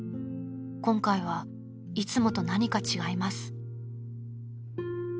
［今回はいつもと何か違います］